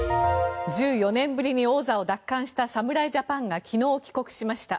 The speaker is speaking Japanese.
１４年ぶりに王座を奪還した侍ジャパンが昨日、帰国しました。